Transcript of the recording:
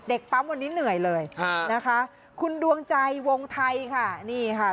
ปั๊มวันนี้เหนื่อยเลยนะคะคุณดวงใจวงไทยค่ะนี่ค่ะ